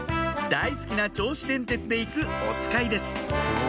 大好きな銚子電鉄で行くおつかいです